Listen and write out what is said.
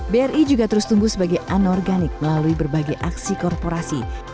bri juga terus tumbuh sebagai anorganik melalui berbagai aksi korporasi